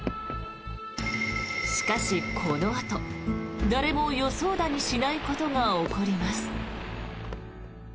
しかし、このあと誰も予想だにしないことが起こります。